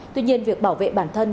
tuy nhiên việc bảo vệ bản thân